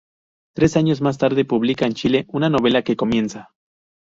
Tres años más tarde publica en Chile "Una novela que comienza".